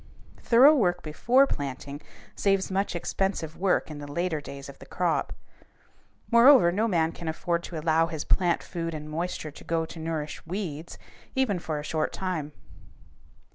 Thorough work before planting saves much expensive work in the later days of the crop. Moreover, no man can afford to allow his plant food and moisture to go to nourish weeds, even for a short time.